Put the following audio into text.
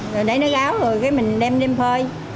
rồi để nó ráo rồi mình đem phơi